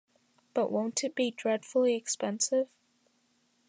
But won’t it be dreadfully expensive?